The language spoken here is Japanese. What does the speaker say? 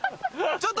ちょっと！